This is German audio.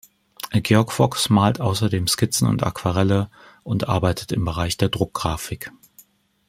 Georg Fox malt außerdem Skizzen und Aquarelle und arbeitet im Bereich der Druckgrafik.